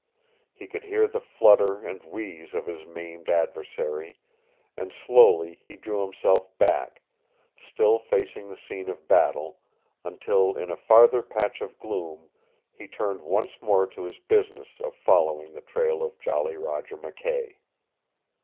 He could hear the flutter and wheeze of his maimed adversary, and slowly he drew himself back still facing the scene of battle until in a farther patch of gloom he turned once more to his business of following the trail of Jolly Roger McKay.